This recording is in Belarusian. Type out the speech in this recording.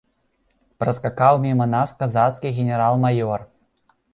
Праскакаў міма нас казацкі генерал-маёр.